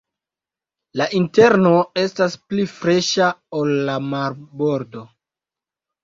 La interno estas pli freŝa ol la marbordo.